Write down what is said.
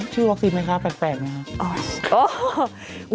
ชื่อวัคซีนไหมคะแปลกไหมครับ